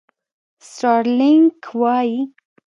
سټارلېنک وایي.